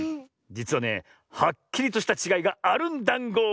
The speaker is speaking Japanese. じつはねはっきりとしたちがいがあるんだんご。